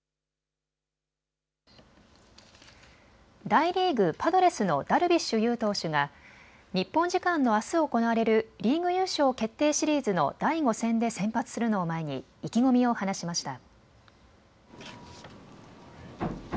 大リーグ、パドレスのダルビッシュ有投手が日本時間のあす行われるリーグ優勝決定シリーズの第５戦で先発するのを前に意気込みを話しました。